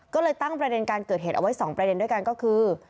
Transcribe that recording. ก็เลยตั้งประเด็นการเกิดเหตุเอาไว้๒ประเด็นด้วยกันก็คือ